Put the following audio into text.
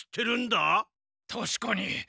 たしかに。